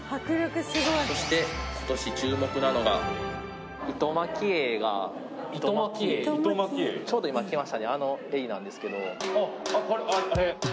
そして今年注目なのがちょうど今来ましたねあのエイなんですけど・あっあれ？